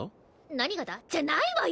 「何がだ？」じゃないわよ